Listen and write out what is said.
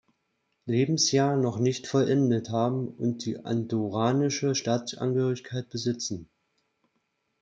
Lebensjahr noch nicht vollendet haben und die andorranische Staatsangehörigkeit besitzen.